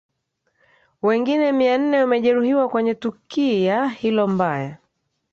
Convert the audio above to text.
wengine mia nne wamejeruhiwa kwenye tukia hilo mbaya